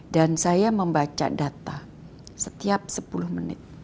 dan saya membaca data setiap sepuluh menit